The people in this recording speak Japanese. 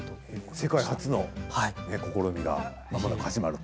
世界初めての試みがまもなく始まると。